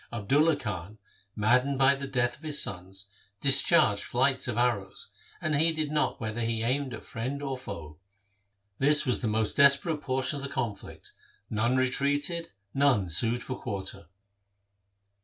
Abdulla Khan, maddened by the death of his sons, discharged flights of arrows, and heeded not whether he aimed at friend or foe. This was the most desperate por tion of the conflict. None retreated, none sued for quarter.